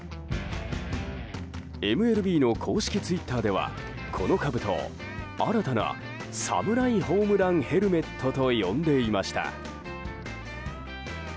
ＭＬＢの公式ツイッターではこのかぶとを新たなサムライホームランヘルメットと呼んでいました。